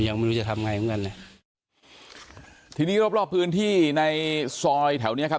ยังไม่รู้จะทำไงเหมือนกันนะทีนี้รอบรอบพื้นที่ในซอยแถวเนี้ยครับ